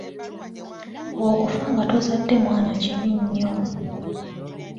Okufa nga tozadde mwana kibi nnyo.